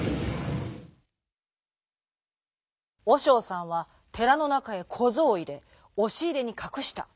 おしょうさんはてらのなかへこぞうをいれおしいれにかくした。